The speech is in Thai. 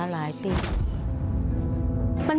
ป้าก็ทำของคุณป้าได้ยังไงสู้ชีวิตขนาดไหนติดตามกัน